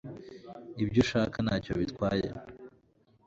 Ibyo ushaka ntacyo bitwaye